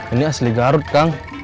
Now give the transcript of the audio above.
ini asli garut kang